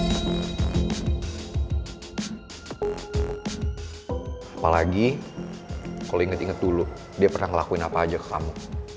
apalagi kalau inget inget dulu dia pernah ngelakuin apa aja ke kamu